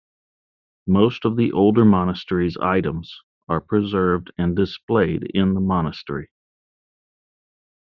Most of the older monastery's items are preserved and displayed in the monastery.